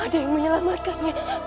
ada yang menyelamatkannya